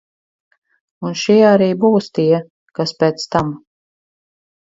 Un šie arī būs tie, kas pēc tam.